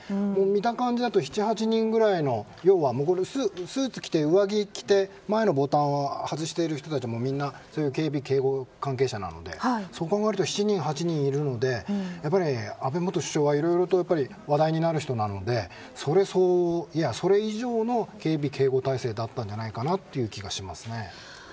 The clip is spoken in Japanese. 見た感じだと７８人ぐらいのスーツ着て上着着て前のボタンを外している人たちもみんな警備、警護関係者なのでそこを見ると７人８人いるので安倍元首相はいろいろと話題になる人なのでそれ相応いや、それ以上の警備、警護体制だったんじゃないかなという気がしますね。